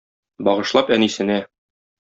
Багышлап әнисенә.